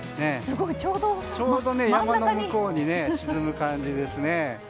ちょうど山の向こうに沈む感じですね。